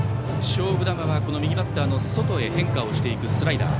勝負球は右バッターの外へ変化をしていくスライダー。